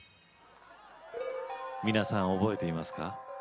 皆さん覚えていますか？